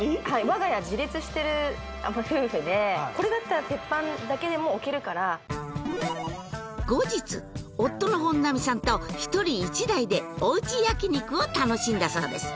我が家自立してる夫婦でこれだったら鉄板だけでも置けるから後日夫の本並さんと１人１台でおうち焼き肉を楽しんだそうです